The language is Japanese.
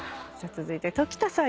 続いて常田さん